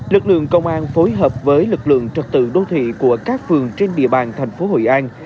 lực lượng công an phối hợp với lực lượng trật tự đô thị của các phường trên địa bàn thành phố hội an